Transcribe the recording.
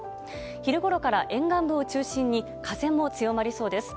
昼ごろから沿岸部を中心に風も強まりそうです。